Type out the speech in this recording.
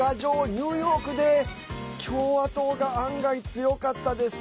ニューヨークで共和党が案外、強かったです。